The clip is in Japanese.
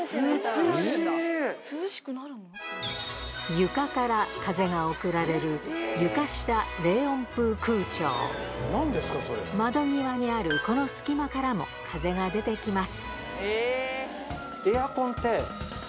床から風が送られる窓際にあるこの隙間からも風が出て来ます